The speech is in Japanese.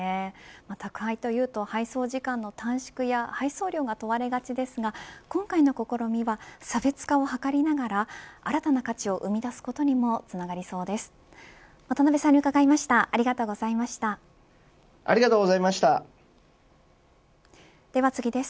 宅配というと配送時間の短縮などが問われますが今回の試みや差別化を図りながら新たな価値を生み出すことにもつながりそうです。